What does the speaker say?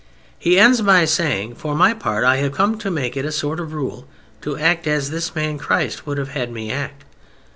He ends by saying: "For my part, I have come to make it a sort of rule to act as this Man Christ would have had me act.